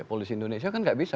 polisi indonesia kan nggak bisa